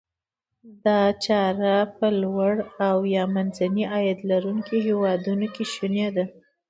دا چاره په لوړ او یا منځني عاید لرونکو هیوادونو کې شوني ده.